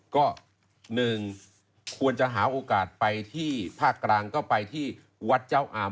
ก็๑ควรจะหาโอกาสไปที่ภาคกลางก็ไปที่วัดเจ้าอาม